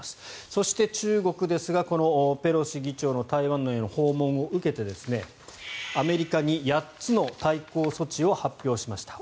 そして、中国ですがペロシ議長の台湾への訪問を受けてアメリカに８つの対抗措置を発表しました。